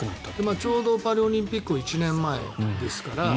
今、ちょうどパリオリンピックの１年前ですから。